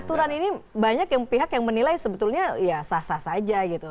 aturan ini banyak pihak yang menilai sebetulnya sah sah saja